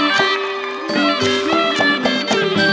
โปรดติดตามตอนต่อไป